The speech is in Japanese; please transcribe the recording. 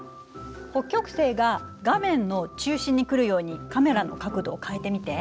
北極星が画面の中心に来るようにカメラの角度を変えてみて。